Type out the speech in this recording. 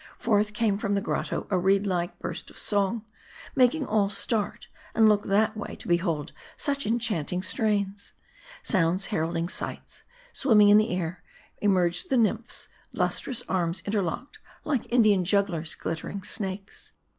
Forth came from the grotto a reed like burst of song, making all start, and look that way to behold such enchant ing strains. Sounds heralding sights ! Swimming in the air, emerged the nymphs, lustrous arms interlocked like Indian jugglers' glittering snakes.